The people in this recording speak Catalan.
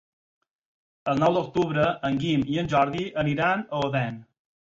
El nou d'octubre en Guim i en Jordi aniran a Odèn.